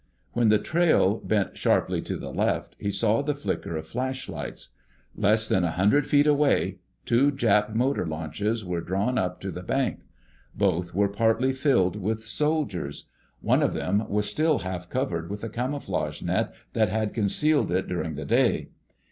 Where the trail bent sharply to the left, he saw the flicker of flashlights. Less than a hundred feet away, two Jap motor launches were drawn up to the bank. Both were partly filled with soldiers. One of them was still half covered with the camouflage net that had concealed it during the day.